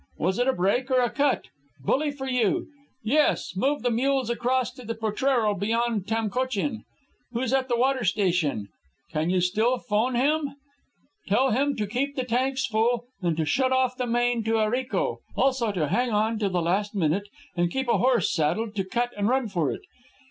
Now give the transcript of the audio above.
Was it a break or a cut? ... Bully for you.... Yes, move the mules across to the potrero beyond Tamcochin.... Who's at the water station? ... Can you still 'phone him? ... Tell him to keep the tanks full, and to shut off the main to Arico. Also, to hang on till the last minute, and keep a horse saddled to cut and run for it.